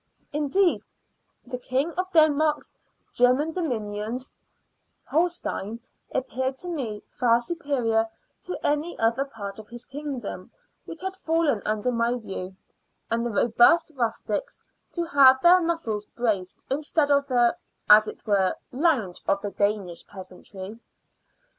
Indeed, the King of Denmark's German dominions Holstein appeared to me far superior to any other part of his kingdom which had fallen under my view; and the robust rustics to have their muscles braced, instead of the, as it were, lounge of the Danish peasantry.